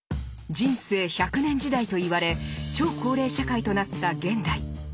人生１００年時代といわれ超高齢社会となった現代。